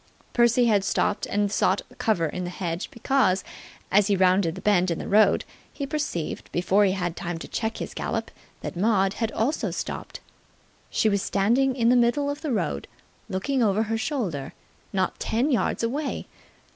Percy had stopped and sought cover in the hedge because, as he rounded the bend in the road, he perceived, before he had time to check his gallop, that Maud had also stopped. She was standing in the middle of the road, looking over her shoulder, not ten yards away.